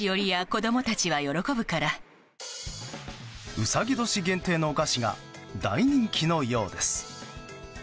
うさぎ年限定のお菓子が大人気のようです。